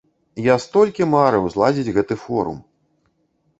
Я столькі марыў зладзіць гэты форум!